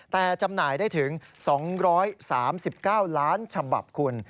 แต่จำหน่ายได้ถึง๒๓๙ล้านฉบับคุณ